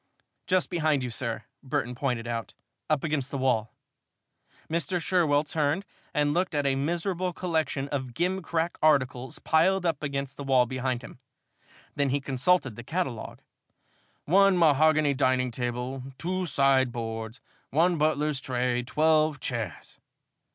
"Just behind you, sir," Burton pointed out, "up against the wall." Mr. Sherwell turned and looked at a miserable collection of gimcrack articles piled up against the wall behind him. Then he consulted the catalogue. "One mahogany dining table, two sideboards, one butler's tray, twelve chairs.